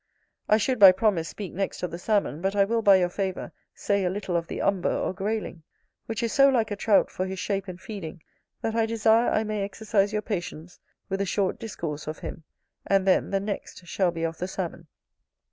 I should, by promise, speak next of the Salmon; but I will, by your favour, say a little of the Umber or Grayling; which is so like a Trout for his shape and feeding, that I desire I may exercise your patience with a short discourse of him; and then, the next shall be of the Salmon.